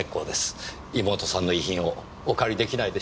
妹さんの遺品をお借り出来ないでしょうか。